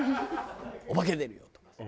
「お化け出るよ」とかさ。